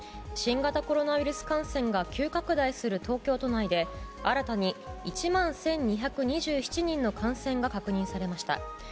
新型コロナウイルス感染が急拡大する東京都内で新たに１万１２２７人の感染が確認されました。